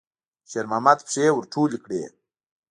شېرمحمد پښې ور ټولې کړې.